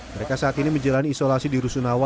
mereka saat ini menjalani isolasi di rusunawa